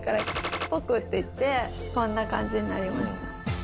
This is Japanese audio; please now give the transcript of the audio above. っぽくっていってこんな感じになりました。